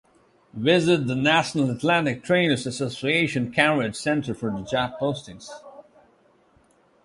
Visit the National Athletic Trainers' Association Career Center for job postings.